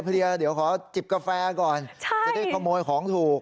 เดี๋ยวขอจิบกาแฟก่อนจะได้ขโมยของถูก